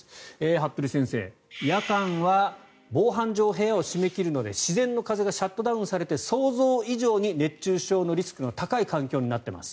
服部先生、夜間は防犯上部屋を閉め切るので自然の風がシャットダウンされて想像以上に熱中症のリスクの高い環境になっています。